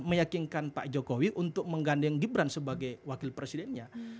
meyakinkan pak jokowi untuk menggandeng gibran sebagai wakil presidennya